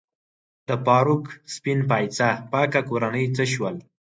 د فاروق سپین پایڅه پاکه کورنۍ څه شول؟